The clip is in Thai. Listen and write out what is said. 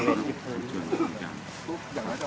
สวัสดีครับ